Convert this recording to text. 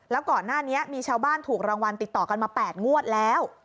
แล้วก่อนหน้านี้มีชาวบ้านถูกรางวัลติดต่อกันมา๘งวดแล้ว